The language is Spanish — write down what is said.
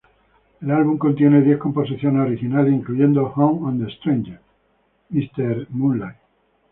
El álbum contiene diez composiciones originales incluyendo "Home on the Strange", "Mr.